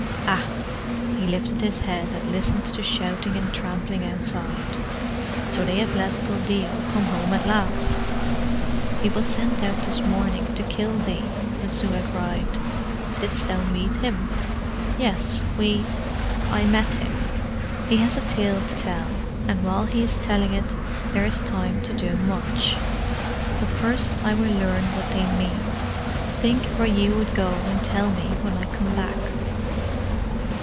Ah!" he lifted his head and listened to shouting and trampling outside. "So they have let Buldeo come home at last?" "He was sent out this morning to kill thee," Messua cried. "Didst thou meet him?" "Yes we I met him. He has a tale to tell and while he is telling it there is time to do much. But first I will learn what they mean. Think where ye would go, and tell me when I come back."